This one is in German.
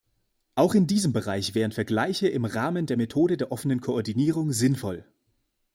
Auch in diesem Bereich wären Vergleiche im Rahmen der Methode der offenen Koordinierung sinnvoll.